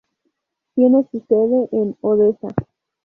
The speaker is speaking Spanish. Tiene su sede en Odessa.